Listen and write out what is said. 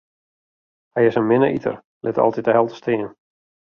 Hy is in minne iter, lit altyd de helte stean.